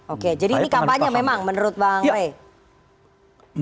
oke jadi ini kampanye memang menurut bang rey